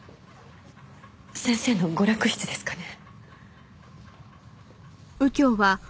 先生の娯楽室ですかね？